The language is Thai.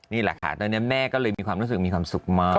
นี่แหละค่ะตอนนี้แม่ก็เลยมีความรู้สึกมีความสุขมาก